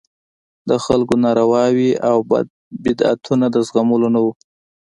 د خلکو نارواوې او بدعتونه د زغملو نه وو.